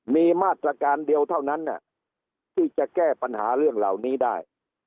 มีมาตรการเดียวเท่านั้นที่จะแก้ปัญหาเรื่องเหล่านี้ได้